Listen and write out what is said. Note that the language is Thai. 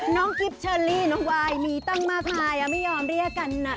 น้องกิฟเชอร์ลี่น้องวายมีตั้งมาภายไม่ยอมเรียกกัน